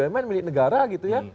bumn milik negara gitu ya